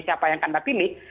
siapa yang akan dipilih